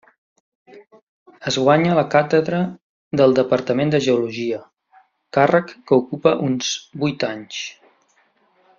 Es guanya la càtedra del departament de Geologia, càrrec que ocupa uns vuit anys.